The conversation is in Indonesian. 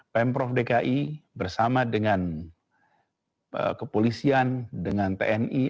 pemprov dki bersama dengan kepolisian dengan tni